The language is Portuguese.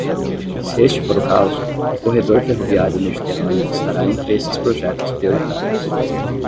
Se este for o caso, o corredor ferroviário mediterrâneo estará entre esses projetos prioritários.